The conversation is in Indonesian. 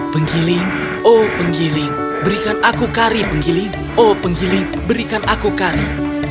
penggiling oh penggiling berikan aku kari penggiling oh penggiling berikan aku kari